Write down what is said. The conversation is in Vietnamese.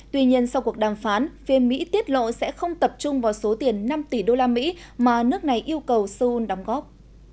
tuy nhiên sau cuộc đàm phán phim mỹ tiết lộ sẽ không tập trung vào số tiền năm tỷ đô la mỹ mà nước này yêu cầu seoul đóng góp